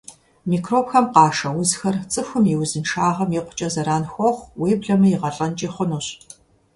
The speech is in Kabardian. Микробхэм къашэ узхэр цӀыхум и узыншагъэм икъукӀэ зэран хуохъу, уеблэмэ игъэлӀэнкӀи хъунущ.